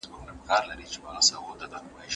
د سرچینو سمه ګټه اخیستنه اړینه ده.